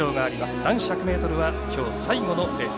男子１００ｍは今日最後のレース。